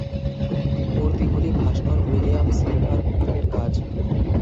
মূর্তিগুলি ভাস্কর William Silver ফ্রিথের কাজ।